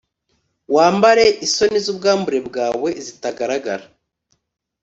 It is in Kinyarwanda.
wambare isoni zubwambure bwawe zitagaragara